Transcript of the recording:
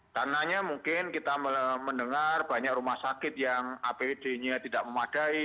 karenanya mungkin kita mendengar banyak rumah sakit yang apd nya tidak memadai